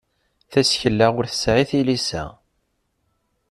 Tasekla ur tesɛi tilisa.